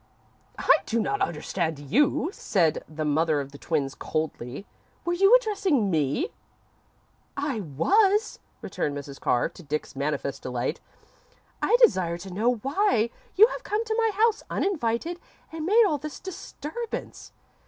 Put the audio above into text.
"I do not understand you," said the mother of the twins, coldly. "Were you addressing me?" "I was," returned Mrs. Carr, to Dick's manifest delight. "I desire to know why you have come to my house, uninvited, and made all this disturbance."